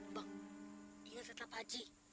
bang dia tetap haji